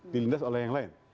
dilindas oleh yang lain